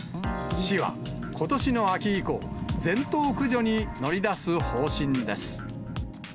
市はことしの秋以降、全頭駆除に乗り出す方針です。